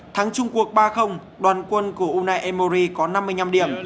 thắng trung quốc ba đoàn quân của unai emery có năm mươi năm điểm